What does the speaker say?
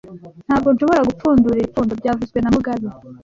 Ntabwo nshobora gupfundura iri pfundo byavuzwe na mugabe